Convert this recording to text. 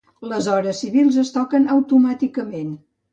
Les hores civils es toquen automàticament.